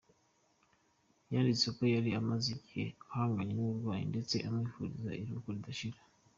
Yanditse ko yari amaze igihe ahanganye n’uburwayi ndetse amwifuriza iruhuko ridashira.